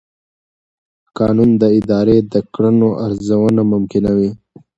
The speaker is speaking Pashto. قانون د ادارې د کړنو ارزونه ممکنوي.